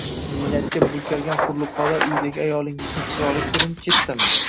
ziynatga burkangan hurliqolar uydagi ayolingizdan chiroyli ko‘rinib ketdimi?